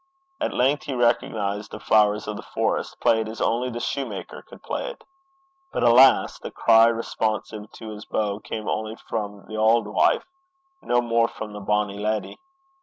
At length he recognized the Flowers of the Forest, played as only the soutar could play it. But alas! the cry responsive to his bow came only from the auld wife no more from the bonny leddy!